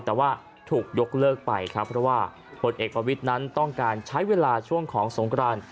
แต่ว่าถูกยกเลิกไปครับเพราะว่าผลเอกประวิทย์นั้นต้องการใช้เวลาช่วงของสงคราน